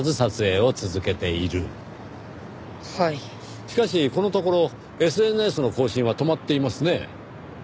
しかしこのところＳＮＳの更新は止まっていますね。